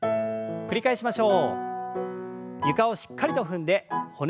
繰り返しましょう。